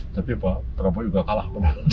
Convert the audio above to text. tapi pak prabowo juga kalah